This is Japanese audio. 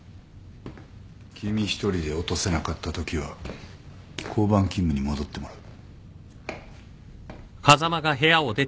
君一人で落とせなかったときは交番勤務に戻ってもらう。